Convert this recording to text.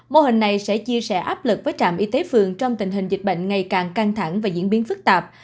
mô hình này sẽ chia sẻ áp lực với trạm y tế phường trong tình hình dịch bệnh ngày càng căng thẳng và diễn biến phức tạp